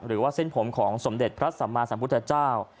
หรือว่าเส้นผมของสมเด็จพระสัมมาสัมพุทธเจ้า